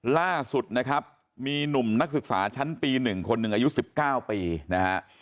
ล่าสุดนะครับมีหนุ่มนักศึกษาชั้นปี๑คนหนึ่งอายุ๑๙ปีนะฮะ